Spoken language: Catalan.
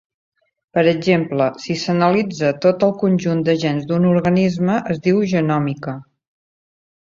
Per exemple, si s'analitza tot el conjunt de gens d'un organisme, es diu genòmica.